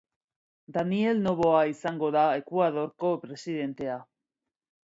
Daniel Noboa izango da Ekuadorko presidentea